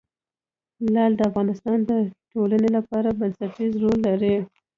لعل د افغانستان د ټولنې لپاره بنسټيز رول لري.